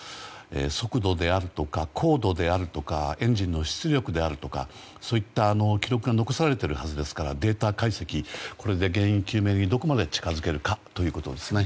速度であるとか高度エンジンの出力とかそういった記録が残されているはずですからデータ解析で原因究明にどこまで近づけるかですね。